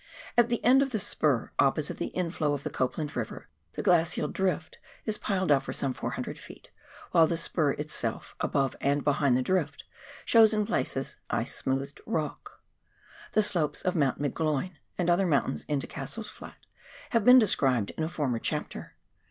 At the end of th9 spur, opposite the inflow of the Copland River, tha glacial drif o is piled up for some 100 ft., while the spur itself, above and behind the drift, shows in places ice smoothed rock. The slopes of Mount McGloin, and other mountains, into Cassell's Flat have been described in a former chapter.